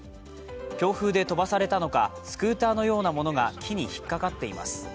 強風で飛ばされたのかスクーターのようなものが木に引っ掛かっています。